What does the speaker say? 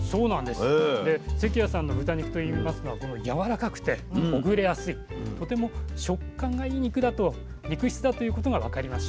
で関谷さんの豚肉といいますのはやわらかくてほぐれやすいとても食感がいい肉だと肉質だということが分かりましたね。